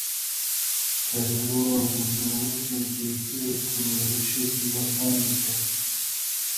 قەرار وا بوو دەوڵەت لە جێگەیەکەوە هێرشێکی بەرپان بکا